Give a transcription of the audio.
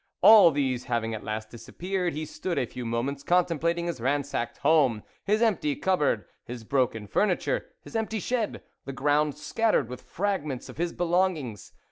All these having at last disappeared, he stood a few moments contemplating his ransacked home, his empty cupboard, his broken furniture, his empty shed, the ground scattered with fragments of his belongings.